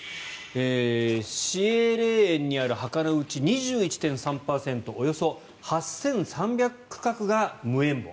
市営霊園にある墓のうち２１．３％およそ８３００区画が無縁墓。